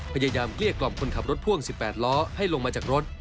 พยายามเกลียดกล่อมคนขับรถพ่วงสิบแปดล้อให้ลงมาจากรถ